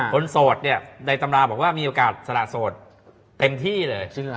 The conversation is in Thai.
โสดเนี่ยในตำราบอกว่ามีโอกาสสละโสดเต็มที่เลย